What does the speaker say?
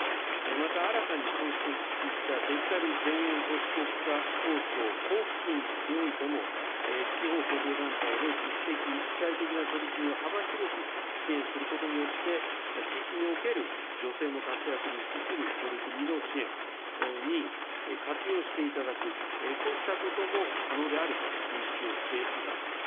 また、新たに創設したデジタル田園都市国家構想交付金においても、地方公共団体の自主的、主体的な取り組みを幅広く支援することによって、地域における女性の活躍にしする取り組みの支援に活用していただく、そうしたことも可能であると認識をしています。